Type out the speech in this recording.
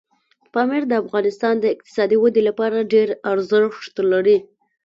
پامیر د افغانستان د اقتصادي ودې لپاره ډېر ارزښت لري.